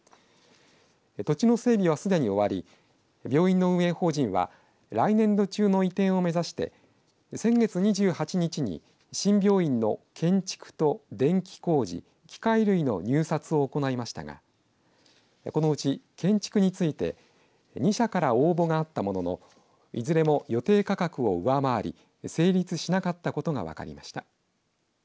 土地の整備はすでに終わり病院の運営法人は来年度中の移転を目指して先月２８日に、新病院の建築と電気工事機械類の入札を行いましたがこのうち、建築について２社から応募があったもののいずれも予定価格を上回り成立しなかったことが分かりました。